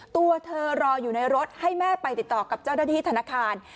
ตัวเธอรออยู่ในรถให้แม่ไปติดต่อกับเจ้าหน้าที่ธนาคาร